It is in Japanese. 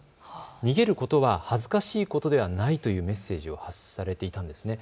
逃げることは恥ずかしいことではないというメッセージを発信されていたんですね。